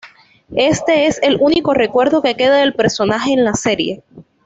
Este es el único recuerdo que queda del personaje en la serie.